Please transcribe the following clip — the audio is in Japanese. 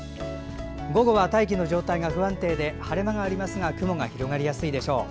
午後は大気の状態が不安定で晴れ間がありますが雲が広がりやすいでしょう。